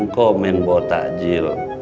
jengkomen buat takjil